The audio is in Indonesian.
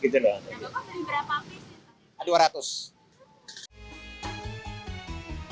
bapak punya berapa api